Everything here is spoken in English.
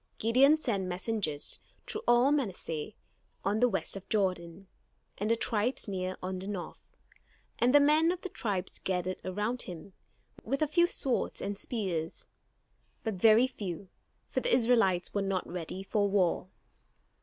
Gideon sent messengers through all Manasseh on the west of Jordan, and the tribes near on the north; and the men of the tribes gathered around him, with a few swords and spears, but very few, for the Israelites were not ready for war.